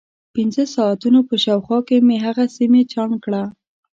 د پنځه ساعتونو په شاوخوا کې مې هغه سیمه چاڼ کړه.